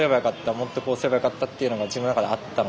もっとこうすればよかったっていうのが自分の中であったので。